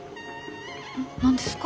何ですか？